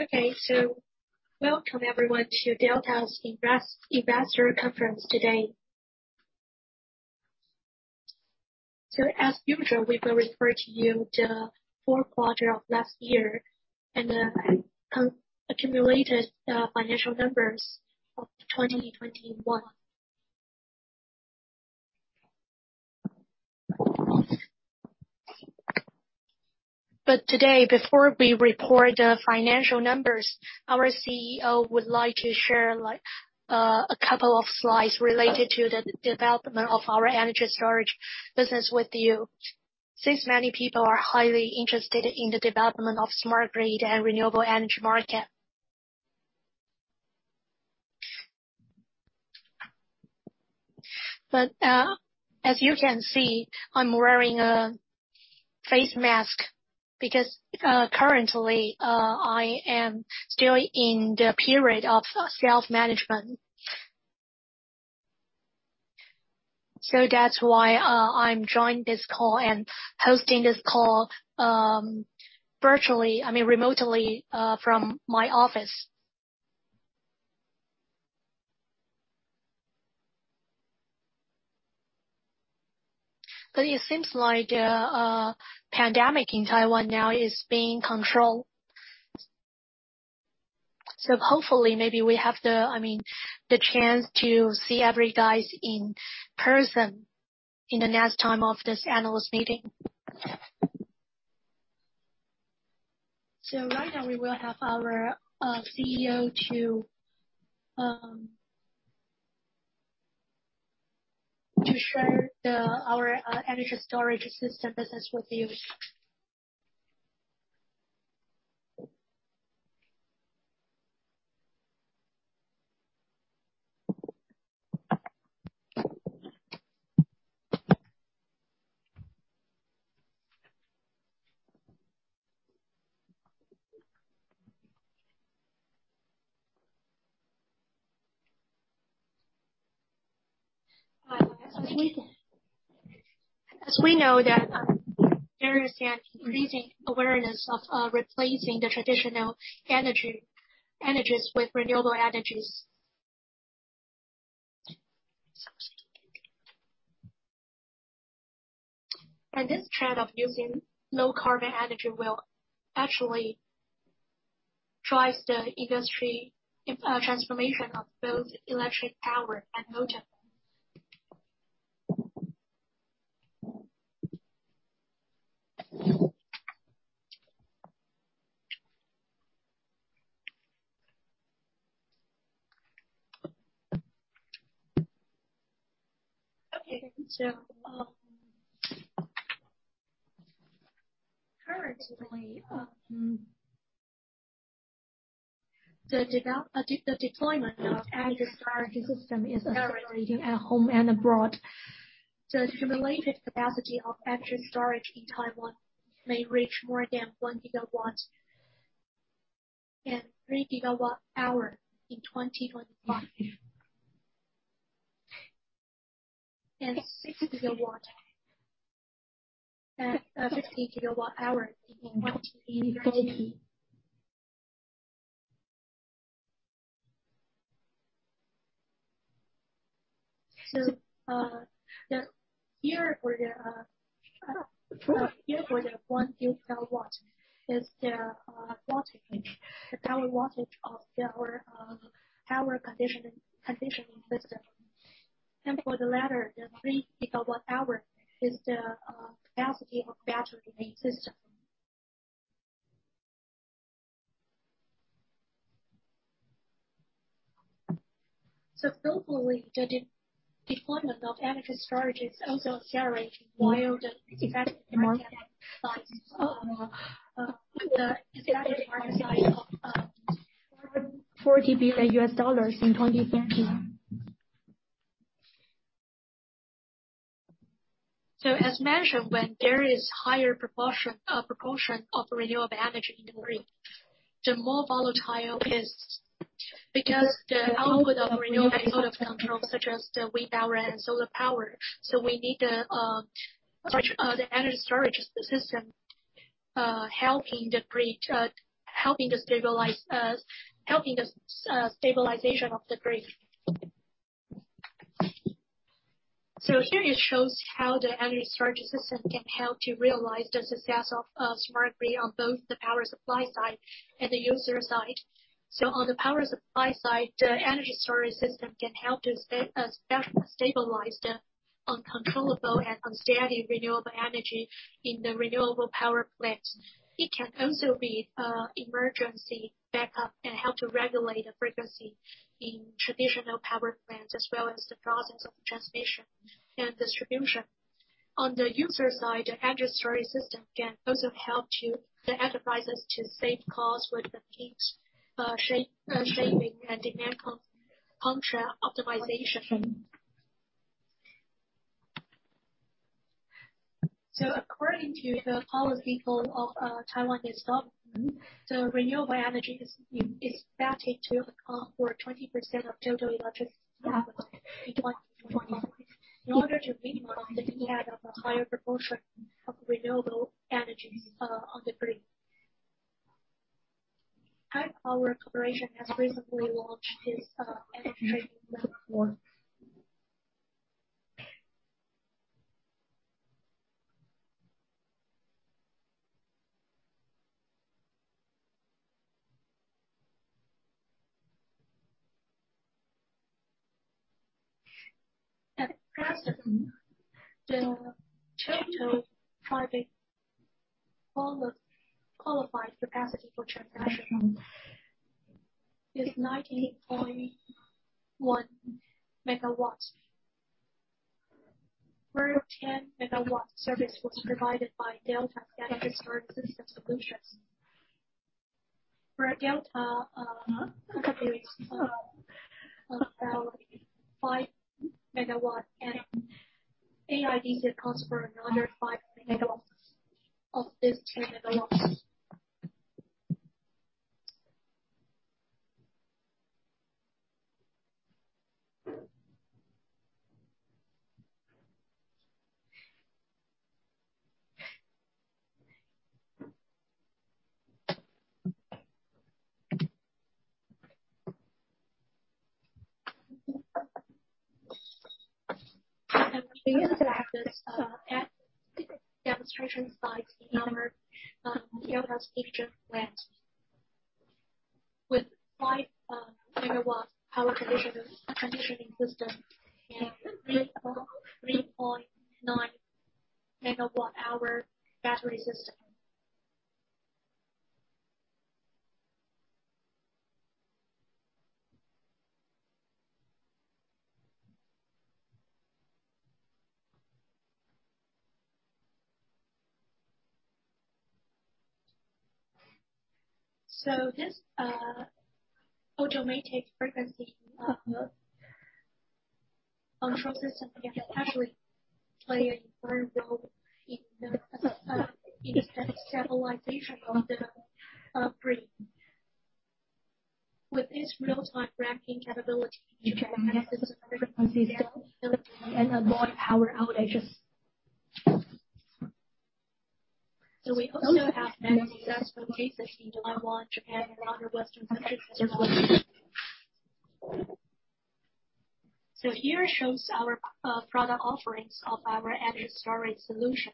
Okay. Welcome everyone to Delta's Investor Conference today. As usual, we will refer to you the fourth quarter of last year and accumulated financial numbers of 2021. Today, before we report the financial numbers, our CEO would like to share like a couple of slides related to the development of our energy storage business with you, since many people are highly interested in the development of smart grid and renewable energy market. As you can see, I'm wearing a face mask because currently I am still in the period of self-management. That's why I'm joining this call and hosting this call virtually, I mean, remotely from my office. It seems like pandemic in Taiwan now is being controlled. Hopefully, maybe we have, I mean, the chance to see every guys in person in the next time of this analyst meeting. Right now we will have our CEO to share our energy storage system business with you. As we know that there is an increasing awareness of replacing the traditional energies with renewable energies. This trend of using low-carbon energy will actually drives the industry transformation of both electric power and motor. Currently, the deployment of energy storage system is accelerating at home and abroad. The accumulated capacity of energy storage in Taiwan may reach more than 1 GW and 3 GWh in 2025. 6 GW and 60 GWh in 2030. The year for the 1 GW is the wattage, the power wattage of our power conditioning system. For the latter, the 3 GWh is the capacity of battery in the system. Globally, the deployment of energy storage is also accelerating while the expected market size of $440 billion in 2030. As mentioned, when there is higher proportion of renewable energy in the grid, the more volatile is because the output of renewable is out of control, such as the wind power and solar power. We need the energy storage system helping the grid, helping to stabilize, stabilization of the grid. Here it shows how the energy storage system can help to realize the success of smart grid on both the power supply side and the user side. On the power supply side, the energy storage system can help to stabilize the uncontrollable and unsteady renewable energy in the renewable power plant. It can also be emergency backup and help to regulate the frequency in traditional power plants, as well as the process of transmission and distribution. On the user side, the energy storage system can also help to the enterprises to save costs with the peak shaving and demand contract optimization. According to the policy goal of Taiwan itself, renewable energy is expected to account for 20% of total electric capacity in 2025. In order to minimize the impact of a higher proportion of renewable energies on the grid, Taiwan Power Company has recently launched its Energy Trading Platform. At present, the total private all the qualified capacity for transaction is 90.1 MW, where 10 MW service was provided by Delta Energy Storage System Solutions. Delta contributes about 5 MW and AIDC accounts for another 5 MW of this 10 MW. We use this as demonstration sites in our Delta's future plans. With 5 MW power conditioning system and 3.9 MWh battery system. This automatic frequency control system can actually play an important role in the stabilization of the grid. With this real-time ramping capability, you can manage the system frequency stability and avoid power outages. We also have successful cases in Taiwan, Japan, and other Western countries. Here shows our product offerings of our energy storage solution.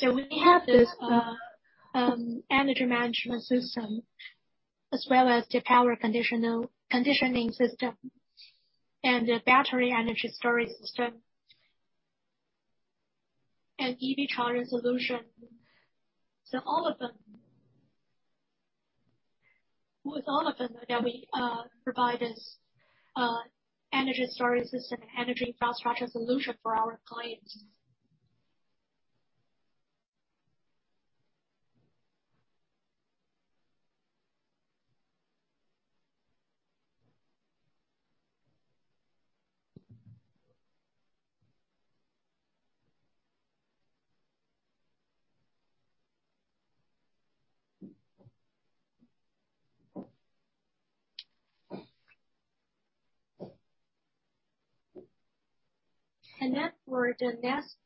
We have this energy management system as well as the power conditioning system and the battery energy storage system and EV charging solution. With all of them that we provide is energy storage system and energy infrastructure solution for our clients. For the next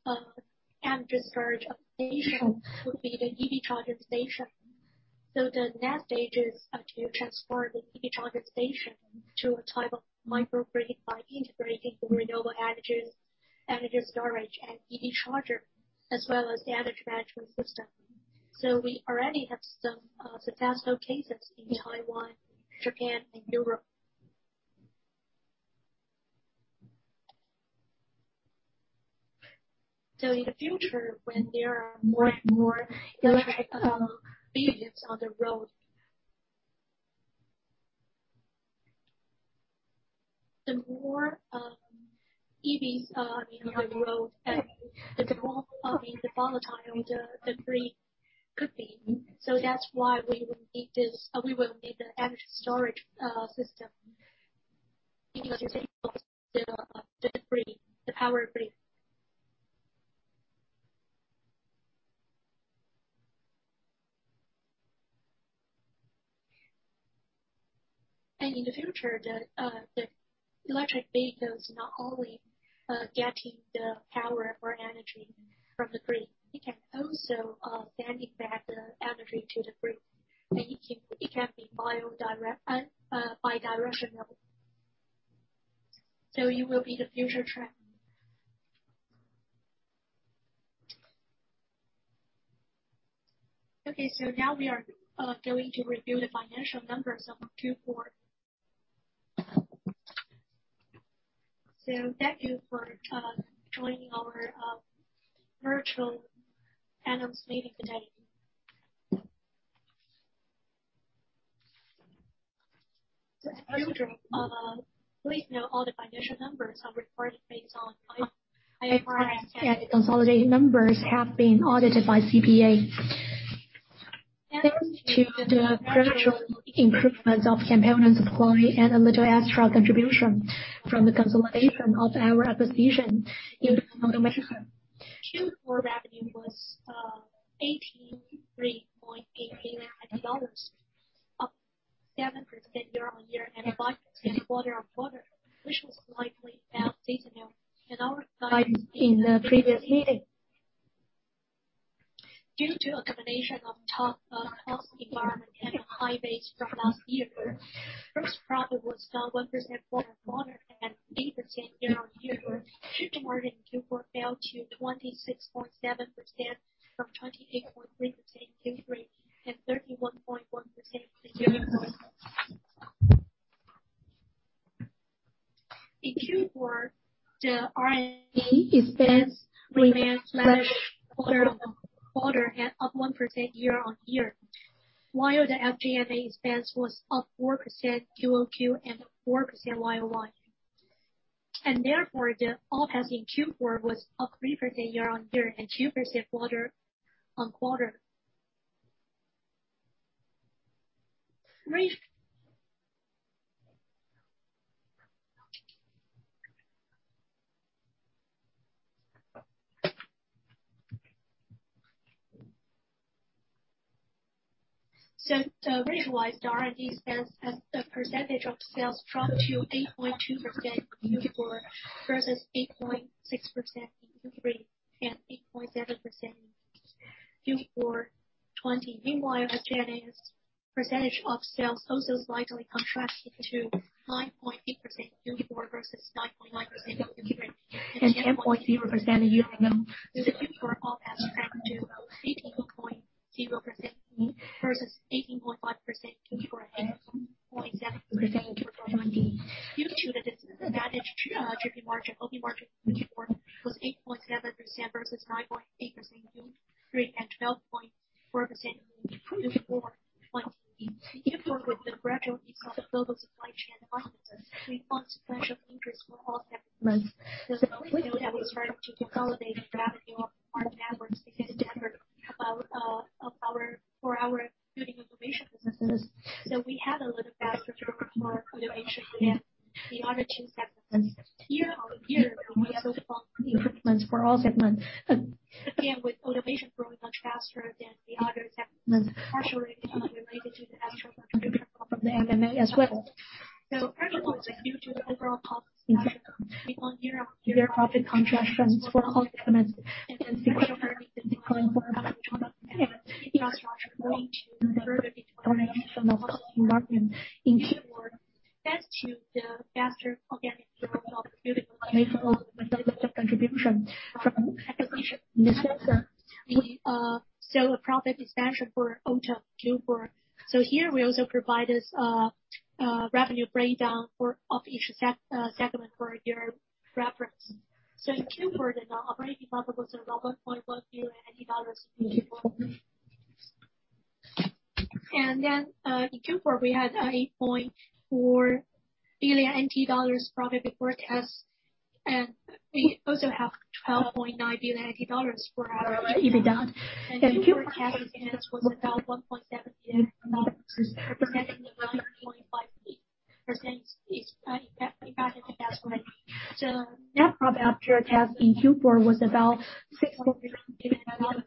energy storage application would be the EV charging station. The next stage is to transform the EV charger station to a type of microgrid by integrating renewable energies, energy storage and EV charger, as well as the energy management system. We already have some successful cases in Taiwan, Japan and Europe. In the future, when there are more and more electric vehicles on the road, the more EVs on the road, the more volatile the grid could be. That's why we will need the energy storage system. It will stabilize the power grid. In the future, the electric vehicles not only getting the power or energy from the grid, it can also sending back the energy to the grid. It can be bi-directional. It will be the future trend. Okay, now we are going to review the financial numbers of Q4. Thank you for joining our virtual analyst meeting today. For your reference, please note all the financial numbers are reported based on IFRS, and the consolidated numbers have been audited by CPA. Thanks to the gradual improvements of components quality and a little extra contribution from the consolidation of our acquisition in America, Q4 revenue was TWD 83.8 billion, up 7% year-over-year and 5% quarter-over-quarter, which was slightly down seasonally than our guide in the previous meeting. Due to a combination of tough cost environment and a high base from last year, gross profit was down 1% quarter-over-quarter and 8% year-over-year. Gross margin in Q4 fell to 26.7% from 28.3% in Q3 and 31.1% in Q4. In Q4, the R&D expense remained flat quarter-on-quarter and up 1% year-on-year, while the SG&A expense was up 4% QoQ and 4% YoY. The OPEX in Q4 was up 3% year-on-year and 2% quarter-on-quarter. The ratio-wise, the R&D expense as a percentage of sales dropped to 8.2% in Q4 versus 8.6% in Q3 and 8.7% in Q4 2020. Meanwhile, SG&A as percentage of sales also slightly contracted to 9.8% in Q4 versus 9.9% in Q3 and 10.0% in Q3. The Q4 OPEX fell to 18.0% versus 18.5% in Q4 and 18.7% in Q4 2019. Due to the disadvantaged GP margin, OP margin in Q4 was 8.7% versus 9.8% in Q3 and 12.4% in Q4 2019. In Q4 with the gradual ease of global supply chain imbalances, we saw sequential increase for all segments. The growth that we started to consolidate revenue of our Delta Networks in December for our building automation businesses. We had a little faster growth for Automation than the other two segments. Year-on-year, we also saw improvements for all segments. Again, with Automation growing much faster than the other segments, partially related to the extra contribution from the M&A as well. First of all, due to the severe costs in the segment year-over-year profit contractions for all segments and sequential decline quarter-over-quarter. Infrastructure saw further deterioration of the cost environment in Q4. Thanks to the faster organic growth of building automation and the contribution from acquisition in America. We saw a profit expansion for Automation Q4. Here we also provide a revenue breakdown of each segment for your reference. In Q4, the operating profit was around 1.1 billion dollars. In Q4, we had 8.4 billion NT dollars profit before tax, and we also had 12.9 billion NT dollars for our EBITDA. Q4 tax expense was about 1.7 billion, representing the 9.5% effective tax rate. Net profit after tax in Q4 was about NT$6.3 billion.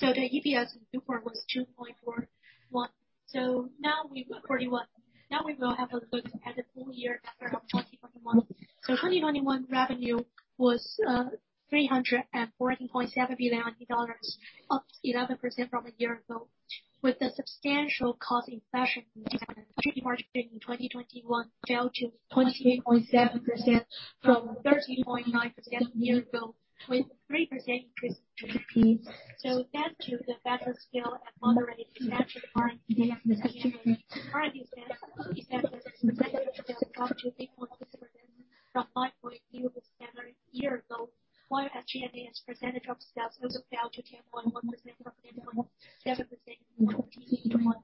The EPS in Q4 was NT$2.41. Now we will have a look at the full year 2021. 2021 revenue was NT$314.7 billion, up 11% from a year ago. With the substantial cost inflation this year, GP margin in 2021 fell to 28.7% from 30.9% a year ago, with 3% increase in CapEx. Thanks to the better scale and moderate expansion of R&D and SG&A, R&D expense as a percentage of sales dropped to 8.6% from 9.0% a year ago, while SG&A as percentage of sales also fell to 10.1% from 11.7% in 2020.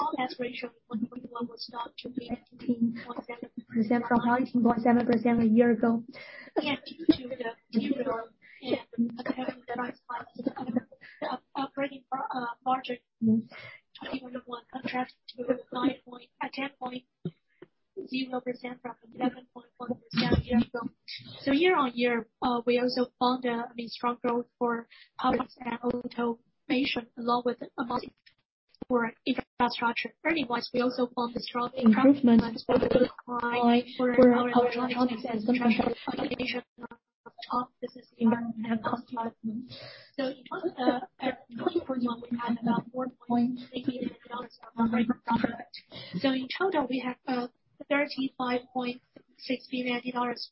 OPEX ratio in 2021 was up to 18.7% from 19.7% a year ago. Due to the, [inaudible] the operating margin in 2021 contracted to 10.0% from 11.1% a year ago. Year-on-year, we also found a strong growth for power and automation, along with a modest growth for infrastructure. Area-wise, we also found a strong improvement for our electronics and infrastructure. Tough business environment and cost management. In total, in 2021, we had about NT$4.8 billion of operating profit. In total, we have NT$35.6 billion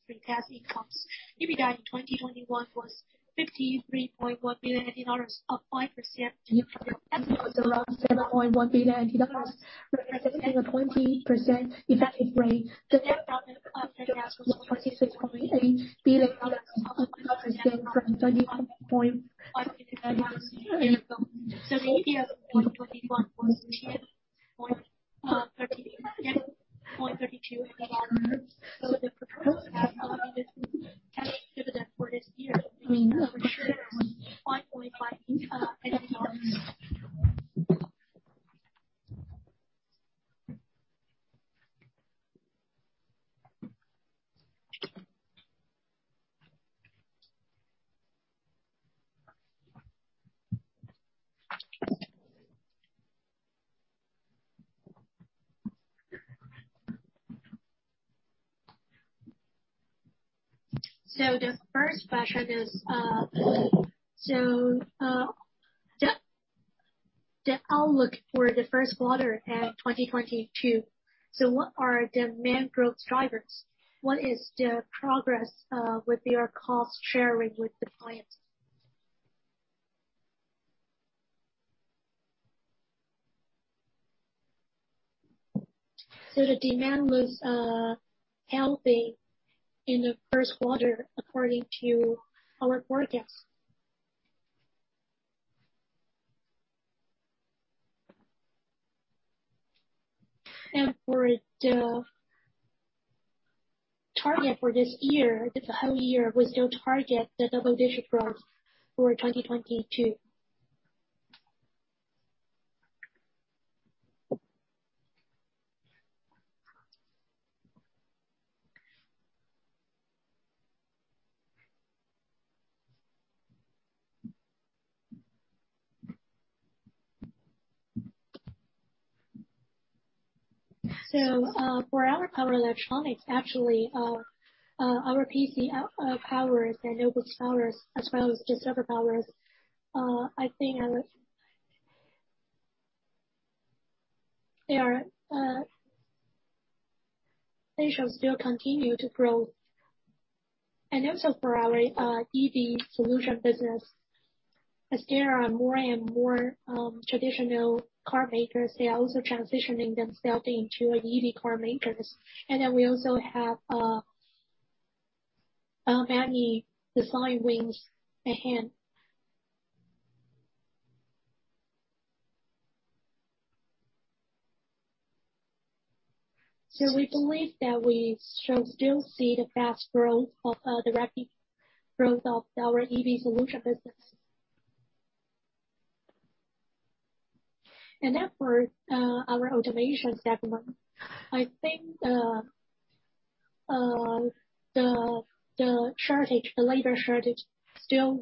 pre-tax incomes. EBITDA in 2021 was NT$53.1 billion, up 5% year-on-year. EPS was around 7.1 billion NT dollars, representing a 20% effective rate. The net profit after tax was NT$46.8 billion, up 5% from NT$31.5 billion a year ago. The EPS in 2021 was 16.532. The proposed semi-annual dividend for this year will be HKD 0.55. The first question is the outlook for the first quarter, 2022. What are the demand growth drivers? What is the progress with your cost sharing with the clients? The demand was healthy in the first quarter according to our forecast. For the target for this year, the whole year, we still target the double-digit growth for 2022. For our power electronics, actually, our PC powers, the notebook powers as well as the server powers, I think they shall still continue to grow. For our EV solution business, as there are more and more traditional car makers, they are also transitioning themselves into EV car makers. We also have many design wins at hand. We believe that we shall still see the rapid growth of our EV solution business. For our Automation segment, I think the labor shortage still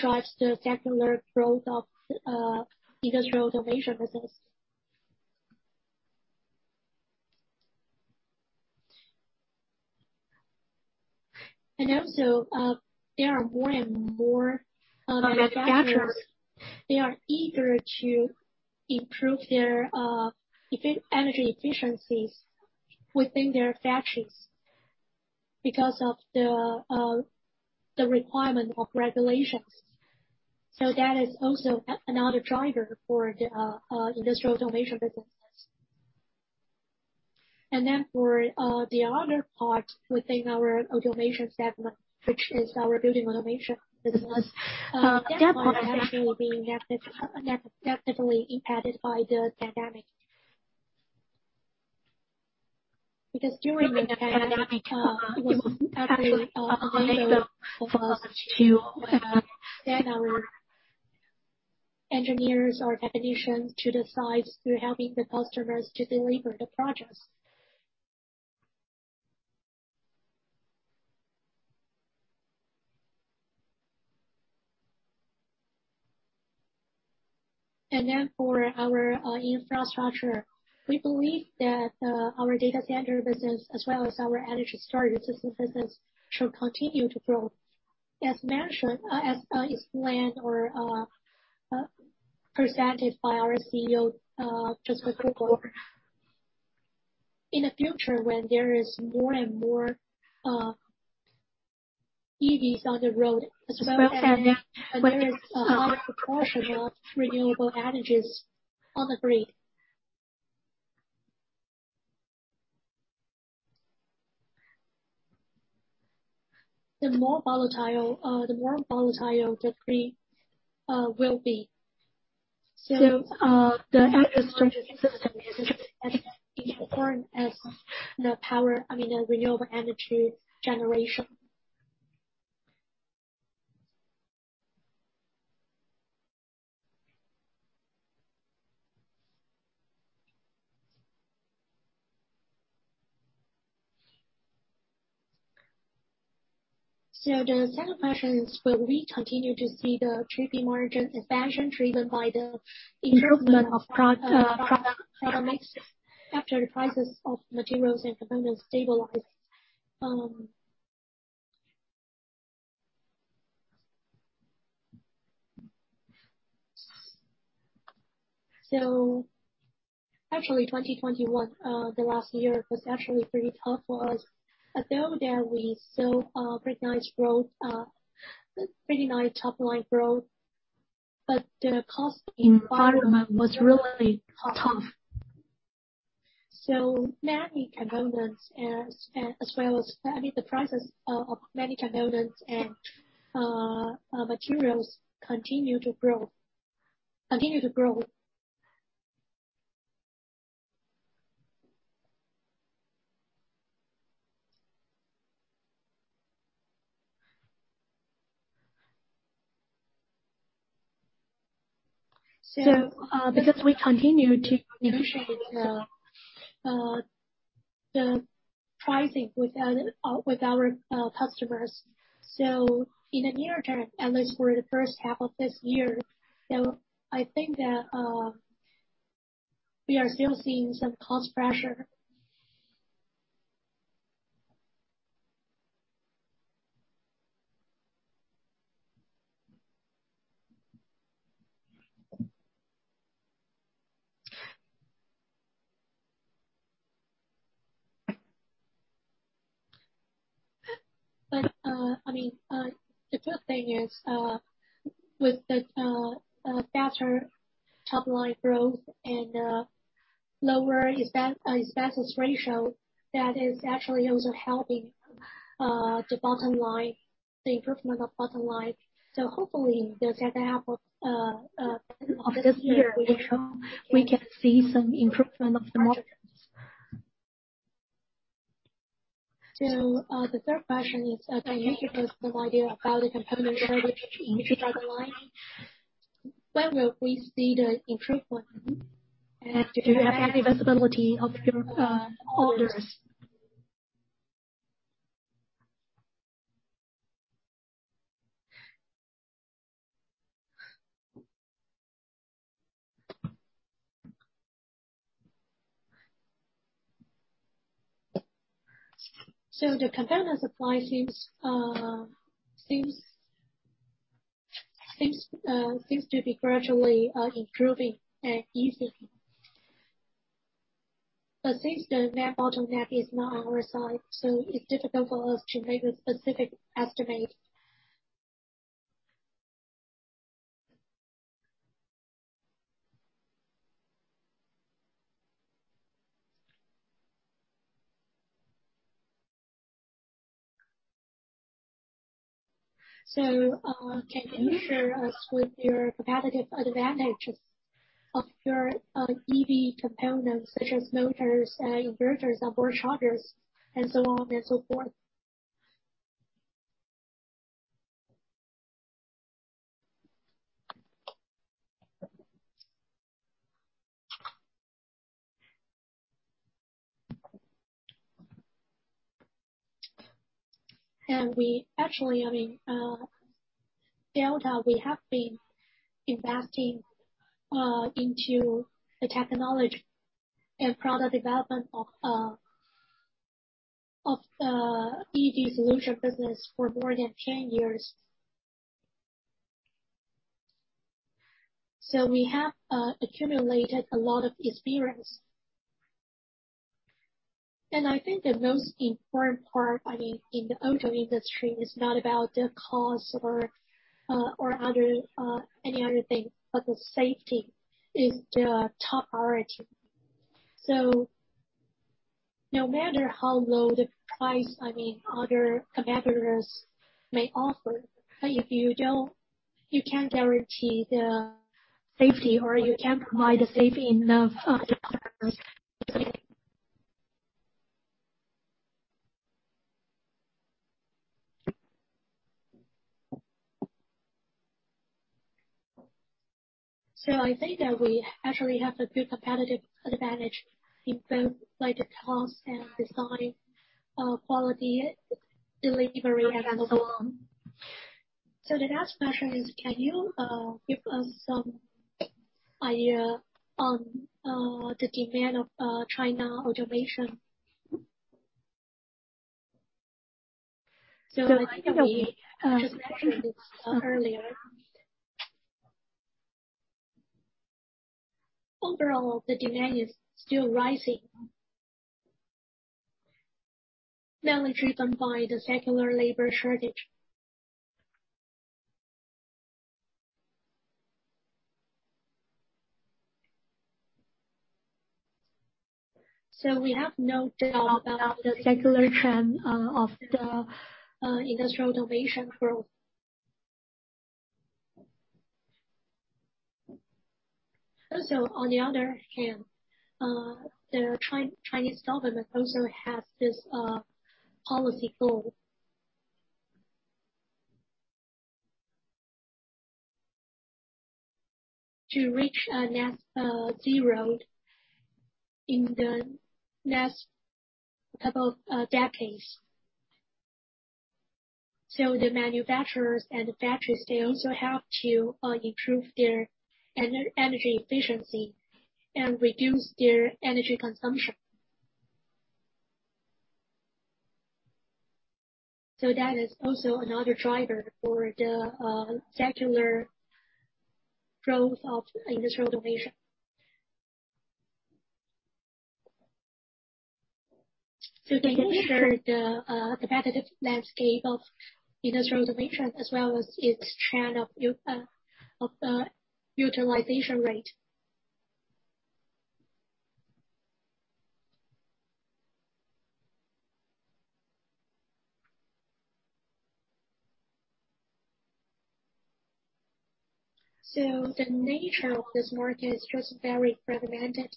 drives the secular growth of Industrial Automation business. There are more and more manufacturers. They are eager to improve their energy efficiencies within their factories because of the requirement of regulations. That is also another driver for the Industrial Automation businesses. For the other part within our Automation segment, which is our Building Automation business, that part has definitely been negatively impacted by the pandemic. Because during the pandemic, it was actually harder for us to send our engineers or technicians to the sites to helping the customers to deliver the projects. For our infrastructure, we believe that our data center business as well as our energy storage system business should continue to grow. As mentioned, as explained or presented by our CEO just a couple ago. In the future, when there is more and more EVs on the road as well as a higher proportion of renewable energies on the grid, the more volatile the grid will be. The energy storage system business is as important as the power, I mean, the renewable energy generation. The second question is, will we continue to see the GP margin expansion driven by the improvement of product mix after the prices of materials and components stabilize? Actually, 2021, the last year, was actually pretty tough for us. Although we saw pretty nice growth, pretty nice top line growth, but the cost environment was really tough. Many components, as well as, I mean, the prices of many components and materials continue to grow. Because we continue to negotiate the pricing with our customers. In the near term, at least for the first half of this year, I think that we are still seeing some cost pressure. I mean, the good thing is, with the better top line growth and lower expenses ratio, that is actually also helping the bottom line improvement. Hopefully the second half of this year, we can see some improvement of the margins. The third question is, can you give us some idea about the component shortage in 2022? Where will we see the improvement? And do you have any visibility of your orders? The component supply seems to be gradually improving and easing. Since the net bottom line is not on our side, it's difficult for us to make a specific estimate. Can you share with us your competitive advantages of your EV components such as motors, inverters, onboard chargers and so on and so forth. We actually, I mean, Delta, we have been investing into the technology and product development of the EV solution business for more than 10 years. We have accumulated a lot of experience. I think the most important part, I mean, in the auto industry is not about the cost or other any other thing, but the safety is the top priority. No matter how low the price, I mean, other competitors may offer, but if you don't, you can't guarantee the safety, or you can't provide the safety enough of the partners. I think that we actually have a good competitive advantage in both, like the cost and design, quality, delivery and so on. The next question is, can you give us some idea on the demand of China automation? I think we just mentioned this earlier. Overall, the demand is still rising. Mainly driven by the secular labor shortage. We have no doubt about the secular trend of the industrial automation growth. Also, on the other hand, the Chinese government also has this policy goal to reach a net zero in the next couple of decades. The manufacturers and factories, they also have to improve their energy efficiency and reduce their energy consumption. That is also another driver for the secular growth of industrial automation. Can you share the competitive landscape of industrial automation as well as its trend of utilization rate? The nature of this market is just very fragmented.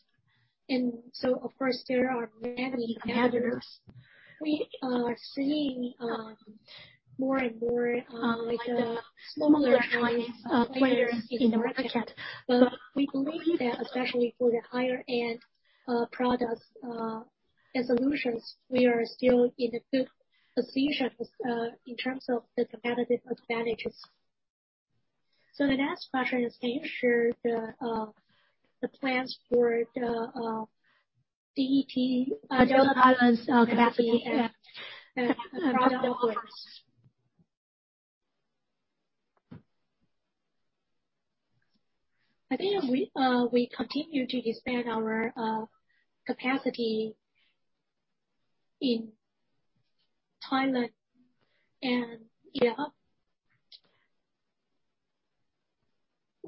Of course, there are many competitors. We are seeing more and more like the smaller players in the market. We believe that especially for the higher-end products and solutions, we are still in a good position in terms of the competitive advantages. The next question is, can you share the plans for the DET, Delta Thailand's capacity and product mix? I think we continue to expand our capacity in Thailand and India.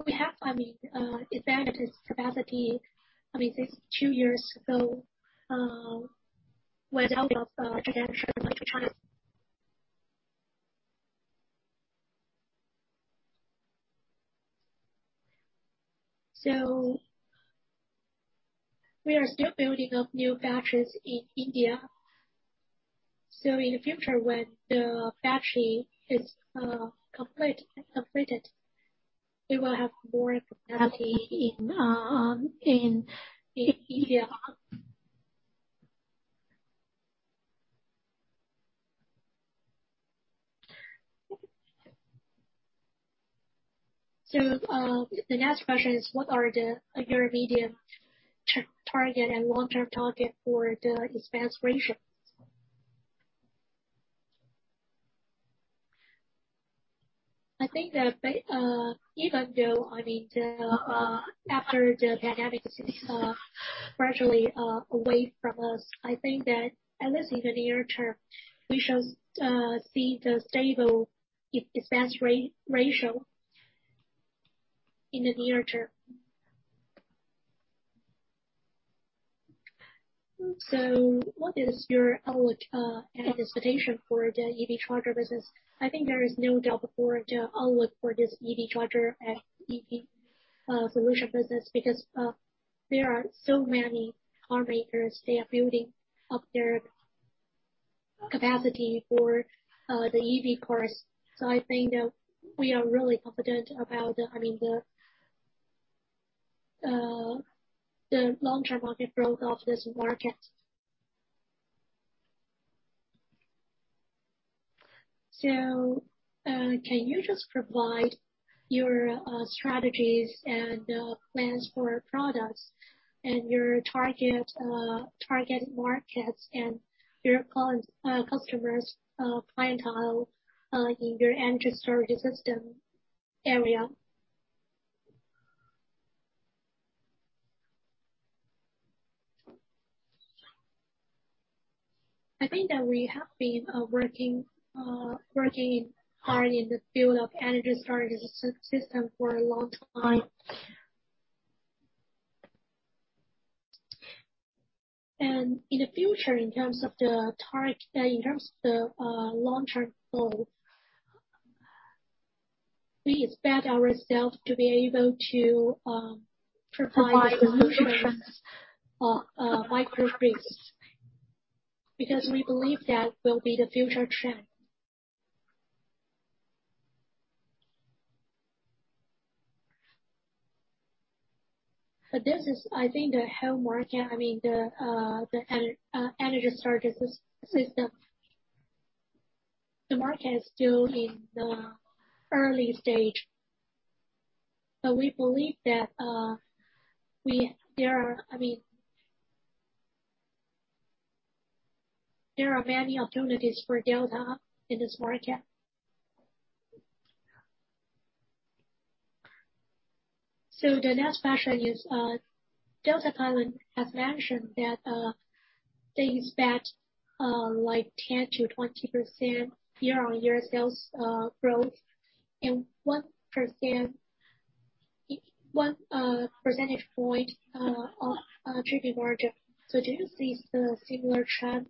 We have expanded this capacity this two years ago without the transaction like China. We are still building up new factories in India. In the future, when the factory is completed, we will have more capacity in India. The next question is, what are your medium-term target and long-term target for the expense ratio? I think that even though the pandemic is gradually away from us, I think that at least in the near term, we shall see the stable expense ratio in the near term. What is your outlook and expectation for the EV charger business? I think there is no doubt for the outlook for this EV charger and EV solution business, because there are so many car makers. They are building up their capacity for the EV cars. I think that we are really confident about. I mean the long-term market growth of this market. Can you just provide your strategies and plans for products and your target markets and your customers clientele in your energy storage system area? I think that we have been working hard in the field of energy storage system for a long time. In the future, in terms of the target, in terms of the long-term goal, we expect ourself to be able to provide solutions microgrids, because we believe that will be the future trend. This is, I think, the whole market. I mean the energy storage system. The market is still in the early stage, but we believe that there are many opportunities for Delta in this market. The next question is, Delta Thailand have mentioned that they expect, like 10%-20% year-over-year sales growth and one percentage point GP margin. Do you see the similar trend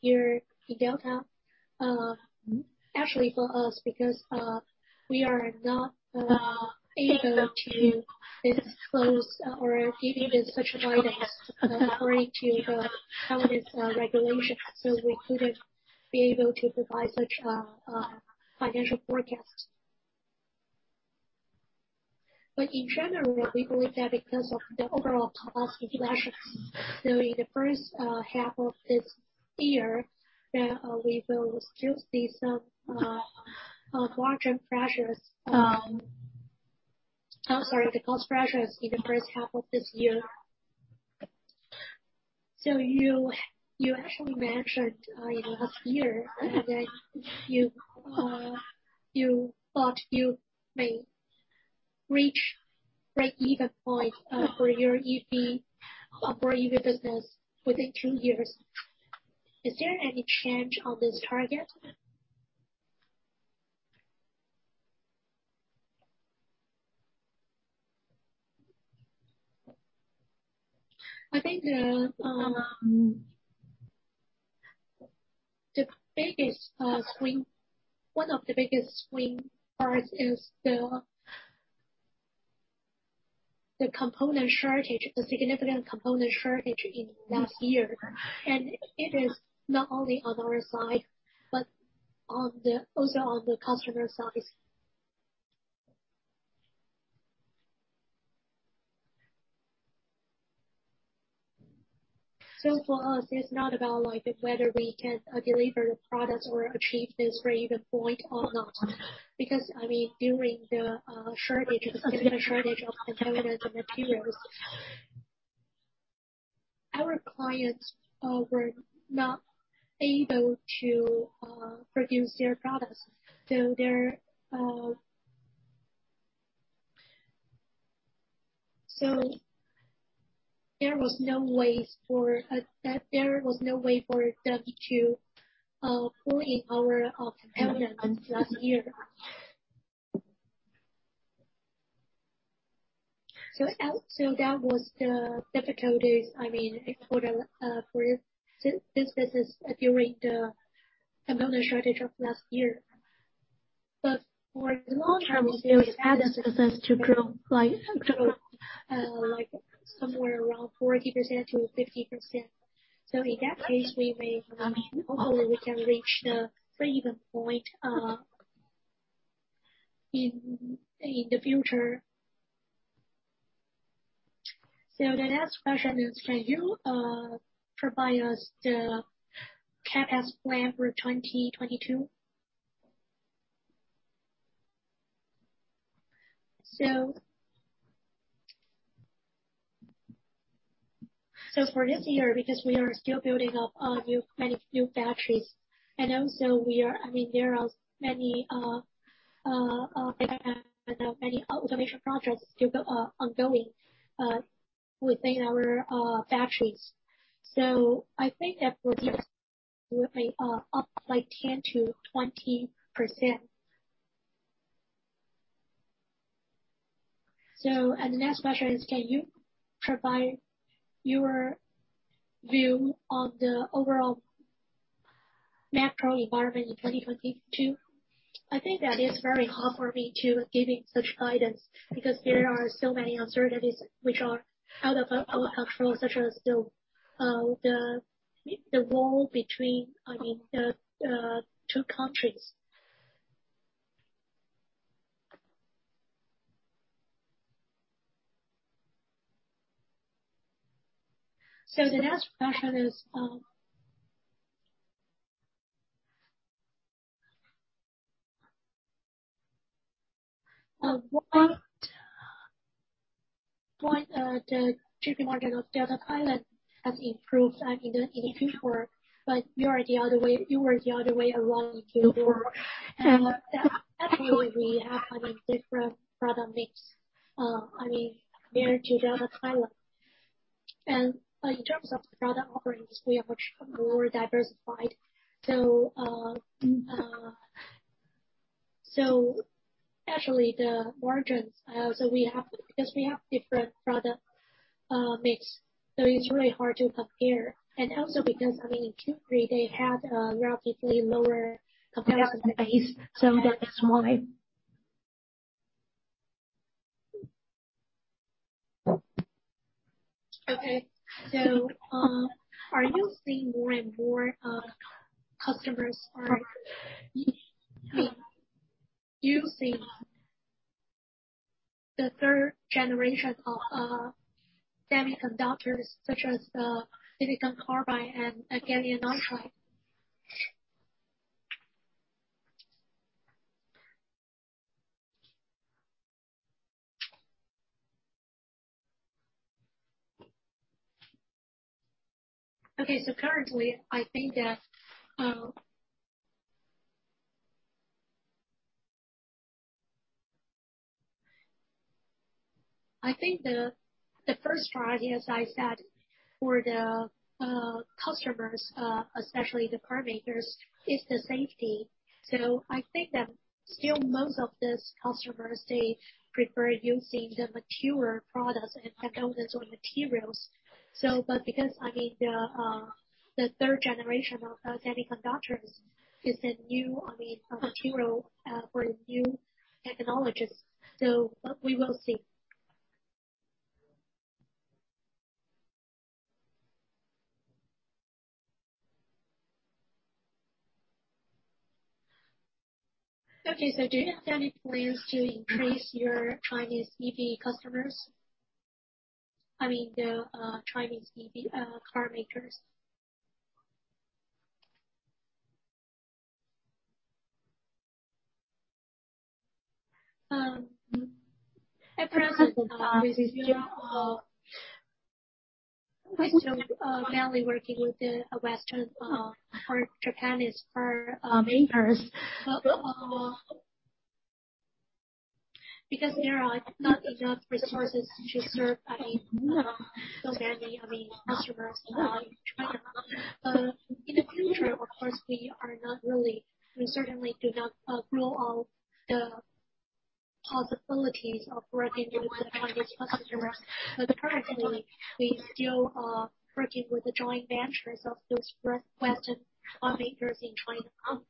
here in Delta? Actually, for us, because we are not able to disclose or give you such guidance according to the Taiwanese regulations, so we couldn't be able to provide such financial forecasts. In general, we believe that because of the overall capacity pressures, so in the first half of this year that we will still see some margin pressures. I'm sorry, the cost pressures in the first half of this year. You actually mentioned in the last year that you thought you may reach break-even point for your EV operating business within two years. Is there any change on this target? I think one of the biggest swing parts is the component shortage, the significant component shortage in last year. It is not only on our side, but also on the customer side. For us, it's not about like whether we can deliver the products or achieve this break even point or not. Because, I mean, during the shortage, the significant shortage of components and materials, our clients were not able to produce their products. There was no way for them to pull in our components last year. That was the difficulties, I mean, in Q4 for our businesses during the component shortage of last year. For long term, we still expect the business to grow like somewhere around 40%-50%. In that case, we may, I mean, hopefully we can reach the break even point in the future. The next question is, can you provide us the CapEx plan for 2022? For this year, because we are still building up many new factories, and also we are, I mean, there are many automation projects still ongoing within our factories. I think that for this year, we may up like 10%-20%. The next question is, can you provide your view on the overall macro environment in 2022? I think that is very hard for me to giving such guidance because there are so many uncertainties which are out of our control, such as still the war between, I mean, the two countries. The next question is, what the GP margin of Delta Thailand has improved, I mean, in the future, but you are the other way around Q4. Actually we have, I mean, different product mix, I mean, compared to Delta Thailand. In terms of product offerings, we are much more diversified. Actually, the margins, so we have because we have different product mix, so it's really hard to compare. Also because, I mean, in Q3, they had a relatively lower comparison base, so that is why. Okay. Are you seeing more and more customers are using the third generation of semiconductors such as silicon carbide and gallium nitride? Okay. Currently, I think the first priority, as I said, for the customers, especially the car makers, is the safety. I think that still most of these customers, they prefer using the mature products and technologies or materials. Because I mean, the third generation of semiconductors is a new, I mean, a material for new technologies. We will see. Okay. Do you have any plans to increase your Chinese EV customers? I mean, the Chinese EV car makers. At present, we are still mainly working with the Western or Japanese car makers. Because there are not enough resources to serve so many, I mean, customers in China. In the future, of course, we are not really. We certainly do not rule out the possibilities of working with Chinese customers. Currently, we still are working with the joint ventures of those Western car makers in China. It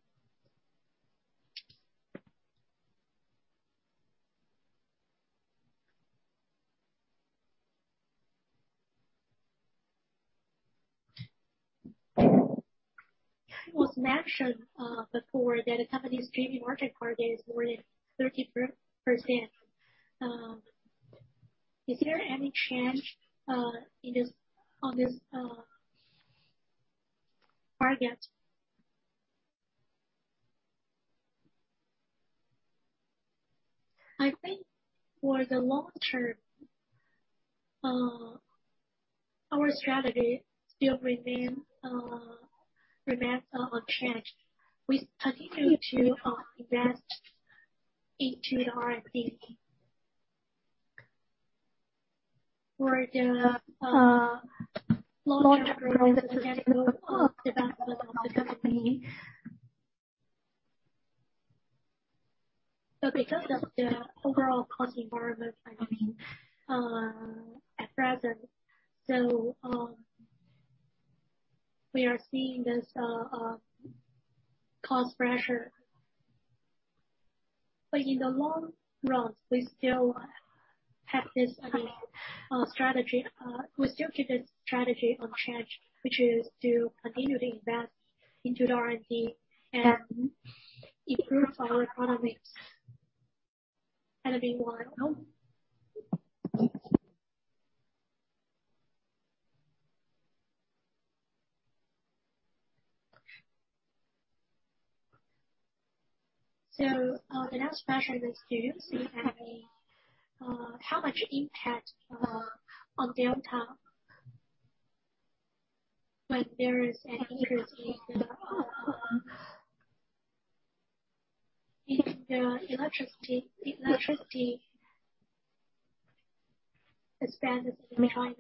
was mentioned before that the company's JV market target is more than 30%. Is there any change in this target? I think for the long term, our strategy still remains unchanged. We continue to invest into the R&D for the long term of the company. Because of the overall cost environment, I mean, at present, so, we are seeing this cost pressure. In the long run, we still have this, I mean, strategy. We still keep this strategy unchanged, which is to continue to invest into the R&D and improve our economics. I mean. The next question is, do you see how much impact on Delta when there is an increase in electricity expenses in China?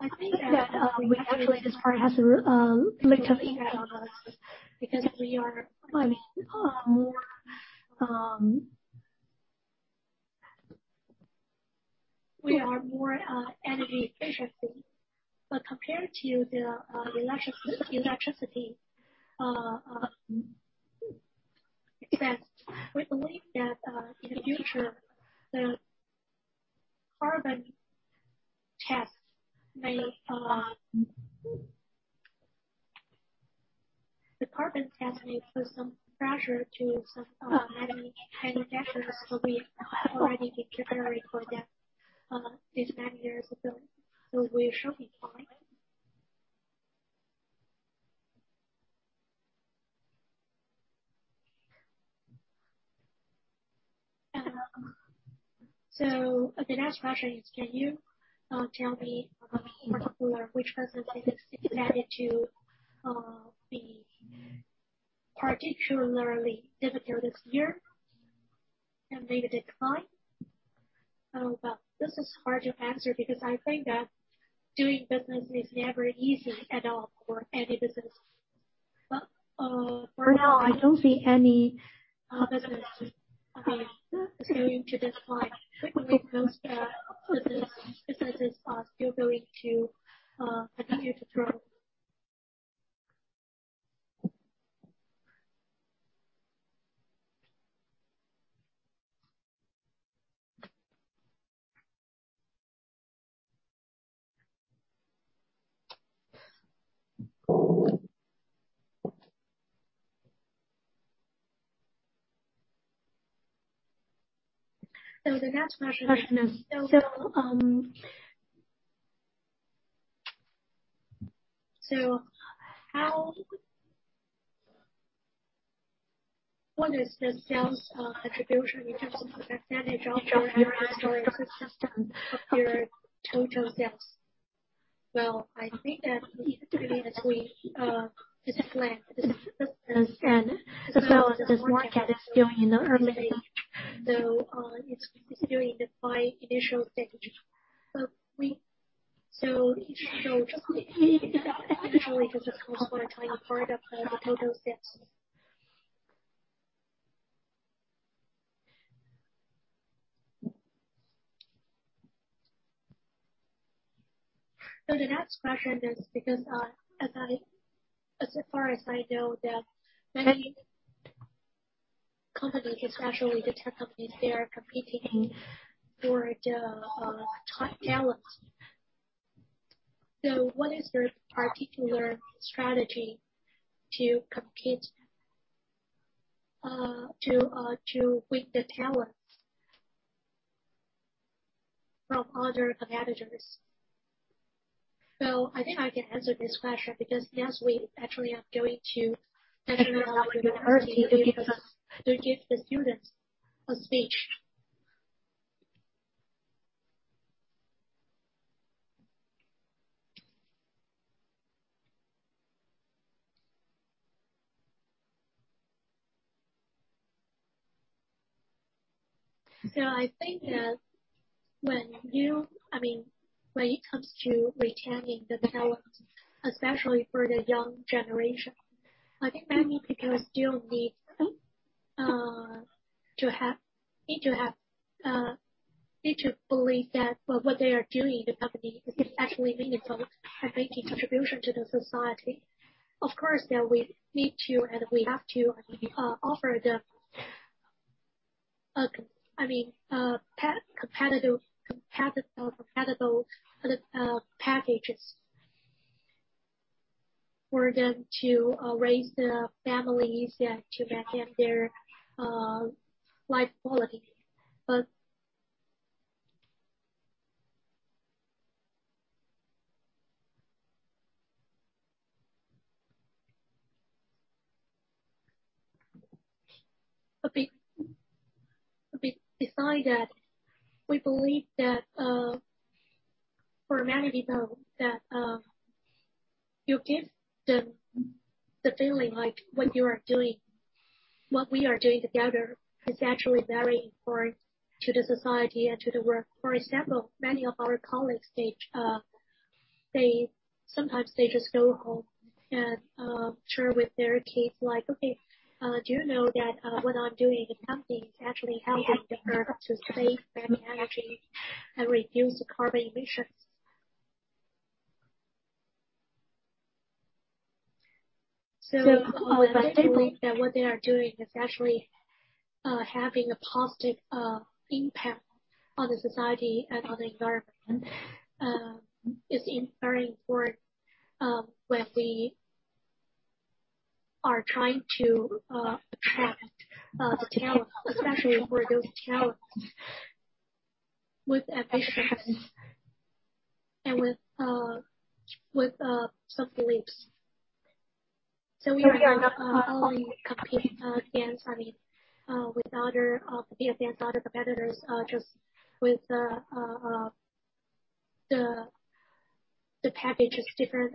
I think that actually this part has little impact on us because we are, I mean, more energy efficient. But compared to the electricity expense, we believe that in the future, the carbon tax may put some pressure to some energy-heavy industries, so we have already been preparing for that these many years. We should be fine. The next question is, can you tell me in particular, which businesses is likely to be particularly difficult this year and may decline? Oh, well, this is hard to answer because I think that doing business is never easy at all for any business. For now, I don't see any business I mean is going to decline. We believe those businesses are still going to continue to grow. What is the sales attribution in terms of percentage of your historical system of your total sales? Well, I think that the [inaudible] we. [inaudible] This market is still in the early stage. It's doing the five initial stages. But we [inaudible] only consists one tiny part of the total sales. As far as I know that many companies, especially the tech companies, they are competing for the top talent. What is your particular strategy to compete to win the talents from other competitors? I think I can answer this question because, yes, we actually are going to national university to give the students a speech. I think that I mean, when it comes to retaining the development, especially for the young generation, I think many people still need to believe that what they are doing in the company is actually meaningful and making contribution to the society. Of course, that we need to, and we have to, offer them, I mean, competitive packages for them to raise their families and to maintain their life quality. Besides that, we believe that for many people that you give the feeling like what you are doing, what we are doing together is actually very important to the society and to the world. For example, many of our colleagues they sometimes just go home and share with their kids, like, "Okay, do you know that what I'm doing in the company is actually helping the Earth to save energy and reduce carbon emissions." They believe that what they are doing is actually having a positive impact on the society and on the environment is very important when we are trying to attract talent, especially for those talents with ambitions and with some beliefs. We are not only competing against, I mean, with other against other competitors just with the packages different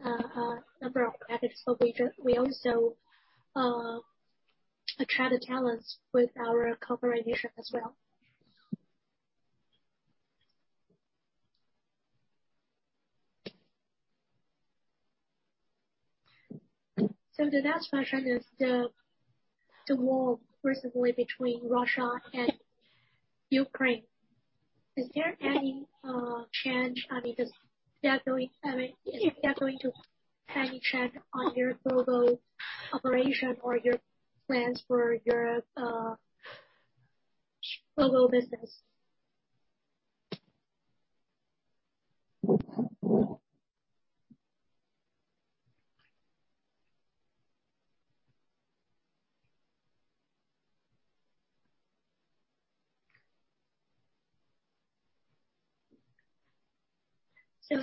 number of packages. We also attract the talents with our corporate mission as well. The next question is the war recently between Russia and Ukraine. Is there any change? I mean, is that going to have a change on your global operation or your plans for Europe, global business?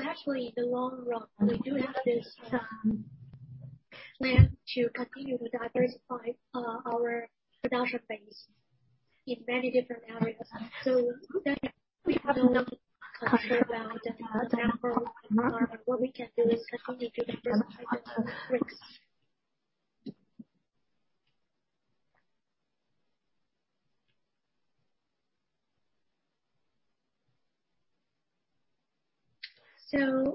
Actually, in the long run, we do have this plan to continue to diversify our production base in many different areas. That we have not concerned about the example. What we can do is continue to diversify the risks.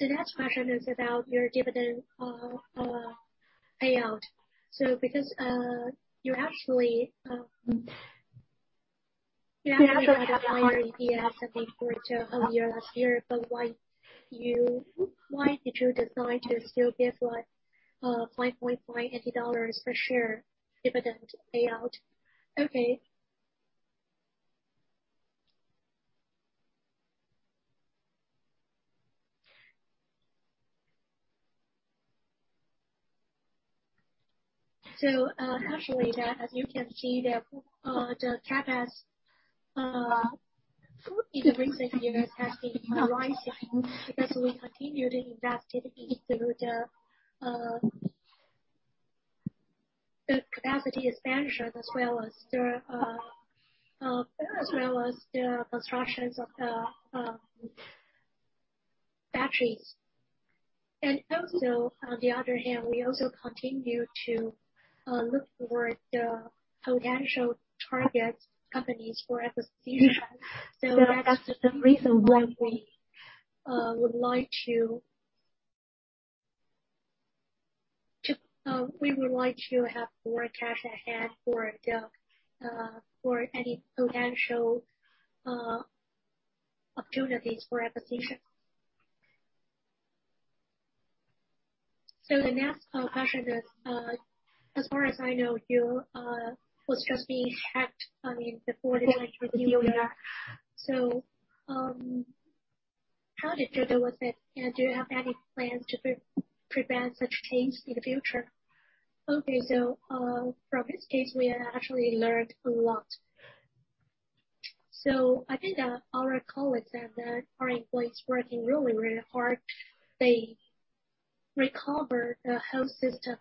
The next question is about your dividend payout. Because you actually had a higher EPS, I think, for the whole year last year, but why did you decide to still give NT$5.50 per share dividend payout? Okay. Actually, as you can see, the CapEx in the recent years has been rising because we continue to invest heavily through the capacity expansion as well as the constructions of the factories. Also, on the other hand, we also continue to look for the potential target companies for acquisition. That's the reason why we would like to have more cash at hand for any potential opportunities for acquisition. The next question is, as far as I know, you was just being hacked, I mean, before this actually deal with that. How did you deal with it? And do you have any plans to prevent such change in the future? Okay. From this case, we have actually learned a lot. I think that our colleagues and our employees working really hard. They recovered the whole system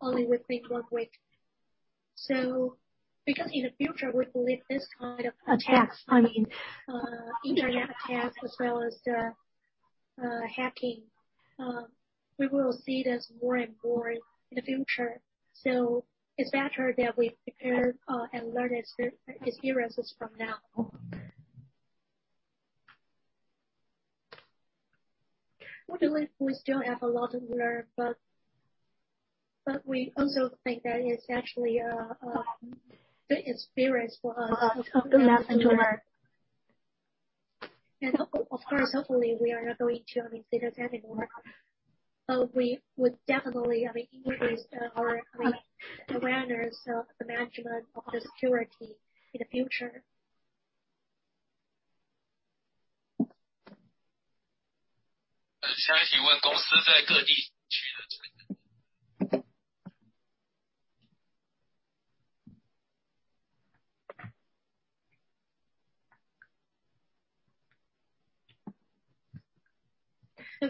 only within one week. Because in the future, we believe this kind of attacks, I mean, internet attacks as well as the hacking, we will see this more and more in the future. It's better that we prepare and learn experiences from now. We believe we still have a lot to learn, but we also think that it's actually a good experience for us. Of course, hopefully, we are not going to see this anymore. We would definitely, I mean, increase our awareness of the management of the security in the future.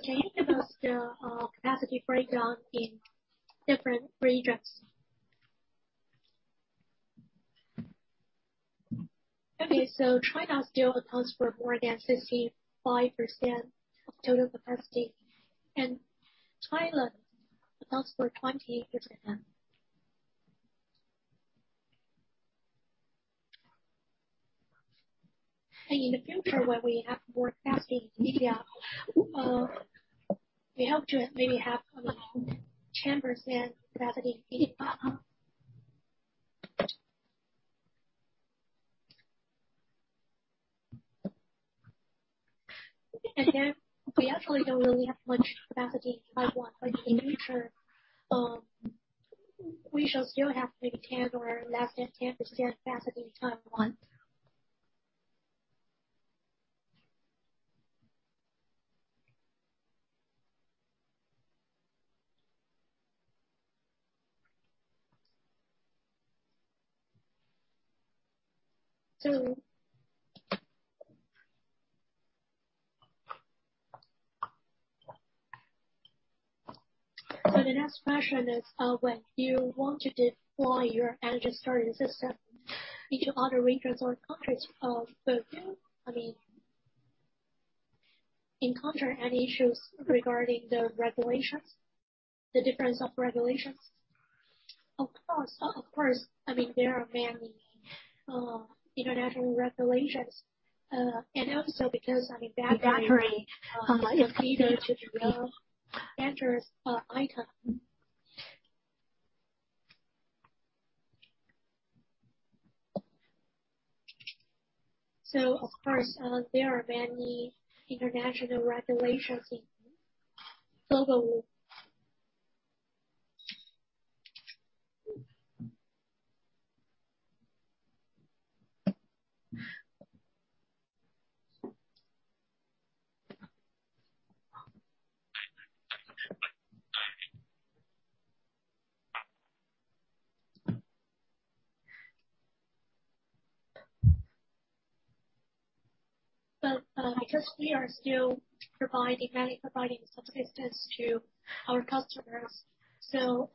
Can you give us the capacity breakdown in different regions? Okay. China still accounts for more than 65% of total capacity, and Thailand accounts for 20%. In the future, when we have more capacity in India, we hope to maybe have, I mean, 10% capacity in India. Then we actually don't really have much capacity in Taiwan. In the future, we should still have maybe 10% or less than 10% capacity in Taiwan. The next question is, when you want to deploy your energy storage system into other regions or countries, do you, I mean, encounter any issues regarding the regulations? The difference of regulations? Of course. I mean, there are many international regulations, and also because, I mean, battery is considered to be dangerous item. Of course, there are many international regulations in global. Because we are still mainly providing services to our customers. As long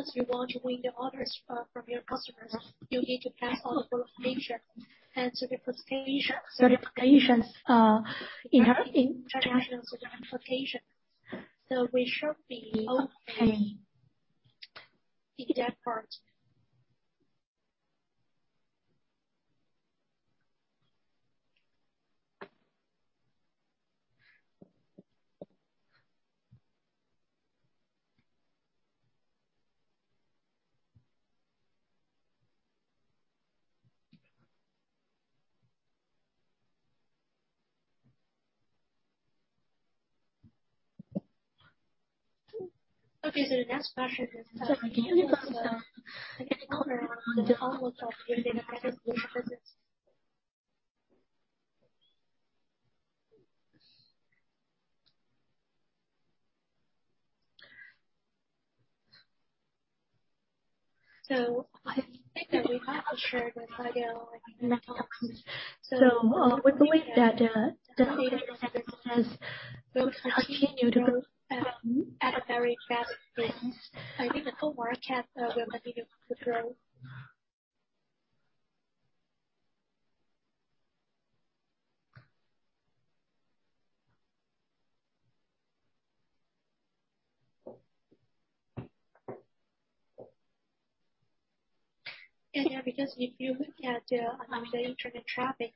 as you want to win the orders from your customers, you need to pass all the certifications in other international certifications. We should be okay in that part. Okay. The next question is. I think that we have assured. We believe that the data centers will continue to grow at a very fast pace. I think the whole market will continue to grow. Yeah, because if you look at the internet traffic.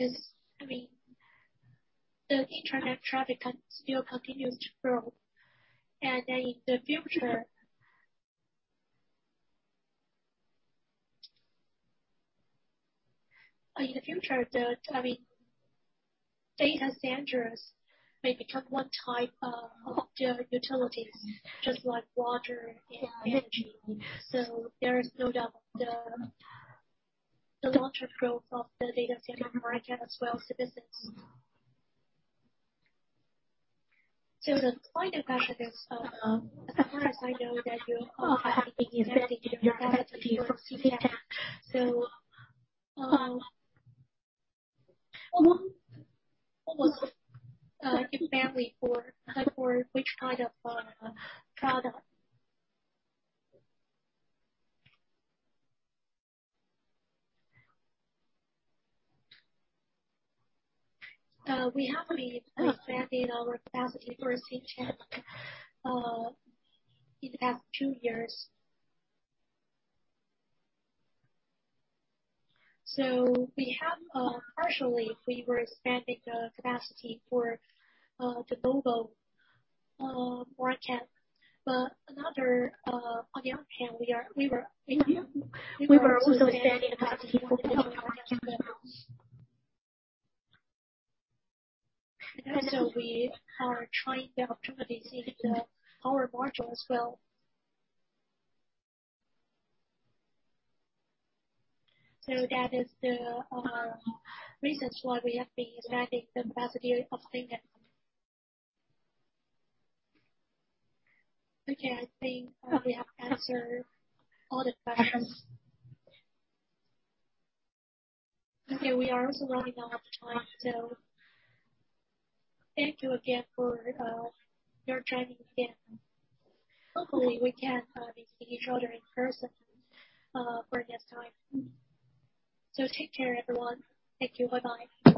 This. I mean, the internet traffic still continues to grow. In the future, data centers may become one type of the utilities, just like water and energy. There is no doubt the long-term growth of the data center market as well as the business. The final question is, as far as I know that you are expanding your capacity for Cyntec. What was expanded for? For which type of product? We have been expanding our capacity for Cyntec in the past two years. We have partially, we were expanding the capacity for the global market. But on the other hand, we were also expanding capacity for public cloud customers. Also we are trying the opportunities in the power module as well. That is the reasons why we have been expanding the capacity of Finisar. Okay. I think we have answered all the questions. Okay. We are also running out of time, so thank you again for your joining again. Hopefully, we can meet each other in person for next time. Take care, everyone. Thank you. Bye-bye.